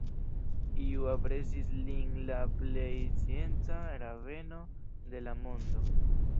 Iu aprezis lin la plej scienca rabeno de la mondo.